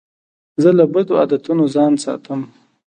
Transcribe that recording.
زه له بدو عادتو ځان ساتم.